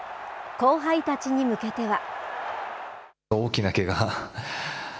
後輩たちに向けては。